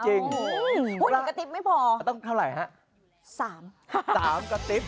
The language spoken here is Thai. โอ้โฮอยู่กระติบไม่พอตั้งเท่าไหร่ฮะสามสามกระติบ